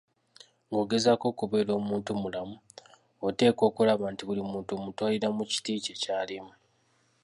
Ng'ogezaako okubeera omuntumulamu oteekwa okulaba nti, buli muntu omutwalira mu kiti kye ky'alimu.